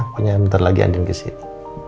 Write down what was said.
pokoknya bentar lagi andin kesini